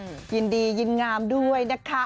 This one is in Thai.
จริงยินดียินงามด้วยนะคะ